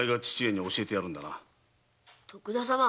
徳田様。